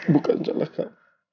bukan salah kak